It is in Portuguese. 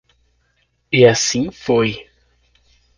E assim foi.